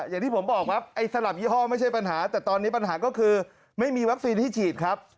อย่างที่ผมบอกครับไอ้สลับยี่ห้อไม่ใช่ปัญหาแต่ตอนนี้ปัญหาก็คือไม่มีวัคซีนให้ฉีดครับ